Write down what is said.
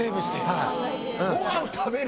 はい。